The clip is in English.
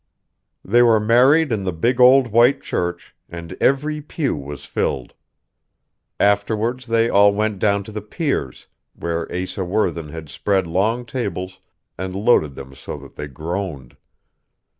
They were married in the big old white church, and every pew was filled. Afterwards they all went down to the piers, where Asa Worthen had spread long tables and loaded them so that they groaned.